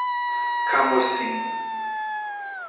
Camocim